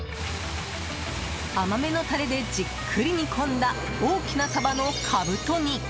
甘めのタレでじっくり煮込んだ大きなサバのカブト煮。